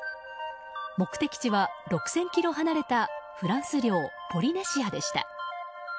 目的地は６０００ｋｍ離れたフランス領ポリネシアでした。